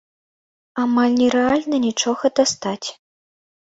Амаль нерэальна нічога дастаць.